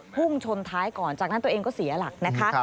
พุ่งชนท้ายก่อนจากนั้นตัวเองก็เสียหลักนะคะ